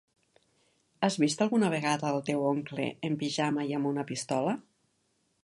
Has vist alguna vegada el teu oncle en pijama i amb una pistola?